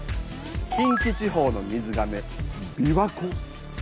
近畿地方の水がめ琵琶湖。